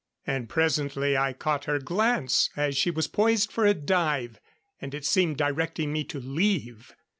And presently I caught her glance as she was poised for a dive and it seemed directing me to leave.